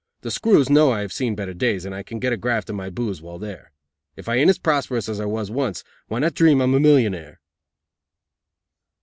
The screws know I have seen better days and I can get a graft and my booze while there. If I aint as prosperous as I was once, why not dream I'm a millionaire?"